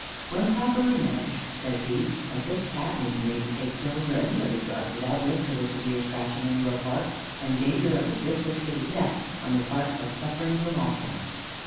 When properly managed, says he, "a sick Cat may be made to take pills or any other drug without risk of a severe scratching on your part, and danger of a dislocated neck on the part of suffering Grimalkin."